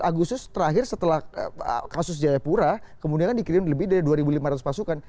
agustus terakhir setelah kasus jayapura kemudian dikirim lebih dari dua lima ratus pasukan